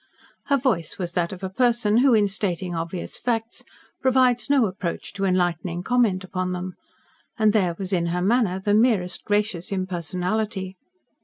Her voice was that of a person who, in stating obvious facts, provides no approach to enlightening comment upon them. And there was in her manner the merest gracious impersonality.